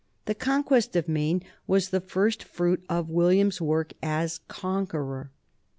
The conquest of Maine was the first fruit of William's work as conqueror.